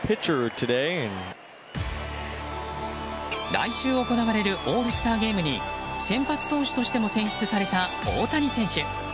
来週行われるオールスターゲームに先発投手としても選出された大谷選手。